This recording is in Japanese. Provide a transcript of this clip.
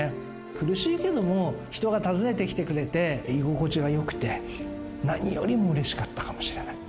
苦しいけども、人が訪ねてきてくれて、居心地がよくて、何よりもうれしかったかもしれない。